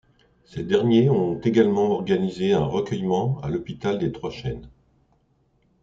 Ces derniers ont également organisé un recueillement à l'Hôpital des Trois-Chênes.